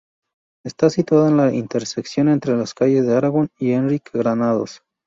Está situada en la intersección entre las calles de Aragón y Enric Granados.